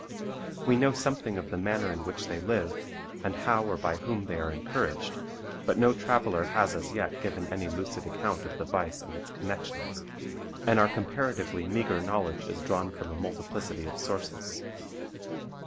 We know something of the manner in which they live, and how or by whom they are encouraged, but no traveler has as yet given any lucid account of the vice and its connections, and our comparatively meagre knowledge is drawn from a multiplicity of sources.